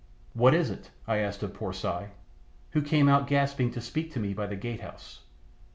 "What is it?" I asked of poor Si, who came out gasping to speak to me by the gate house.